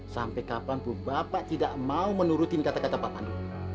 sampai kapanpun bapak tidak mau menurutin kata kata pak pandu